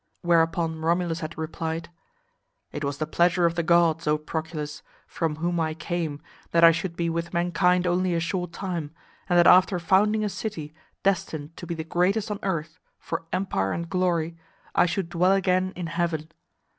'' Whereupon Romulus had replied: "It was the pleasure of the gods, O Proculus, from whom I came, that I should be with mankind only a short time, and that after founding a city destined to be the greatest on earth for empire and glory, I should dwell again in heaven.